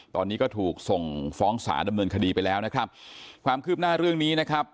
ตอนนี้ก็ถูกส่งฟ้องศาลดำเนินคดีไปแล้วนะครับความคืบหน้าเรื่องนี้นะครับ